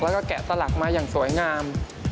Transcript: แล้วก็แกะสลักมาอย่างสวยงาม